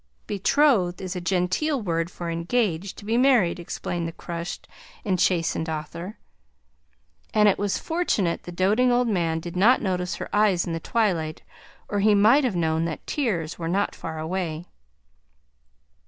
"Betrothed is a genteel word for engaged to be married," explained the crushed and chastened author; and it was fortunate the doting old man did not notice her eyes in the twilight, or he might have known that tears were not far away.